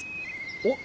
おっ！